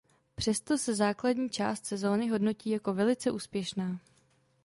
Přesto se základní část sezony hodnotí jako velice úspěšná.